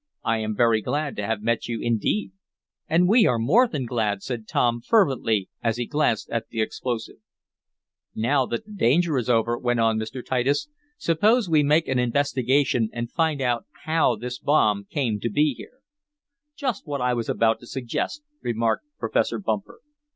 "I am very glad to have met you indeed." "And we are more than glad," said Tom, fervently, as he glanced at the explosive. "Now that the danger is over," went on Mr. Titus, "suppose we make an investigation, and find out how this bomb came to be here." "Just what I was about to suggest," remarked Professor Bumper.